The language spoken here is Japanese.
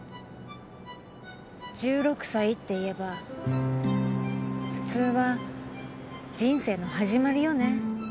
１６歳っていえば普通は人生の始まりよね。